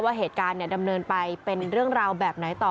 ว่าเหตุการณ์ดำเนินไปเป็นเรื่องราวแบบไหนต่อ